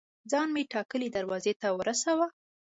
ځان مې ټاکلي دروازې ته ورساوه.